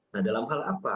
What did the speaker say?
nah dalam hal apa